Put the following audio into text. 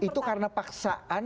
itu karena paksaan